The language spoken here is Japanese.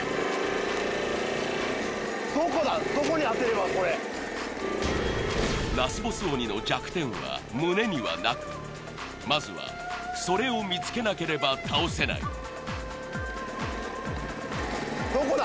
どこだどこに当てればこれラスボス鬼の弱点は胸にはなくまずはそれを見つけなければ倒せないどこだ？